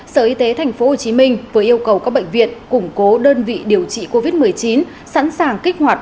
sở y tế tp hcm vừa yêu cầu các bệnh viện củng cố đơn vị điều trị covid một mươi chín sẵn sàng kích hoạt